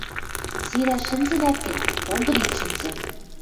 Сирӓш шӹнзӹнӓт гӹнь, понгын ит шӹнзӹ!